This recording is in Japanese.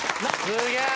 すげえ。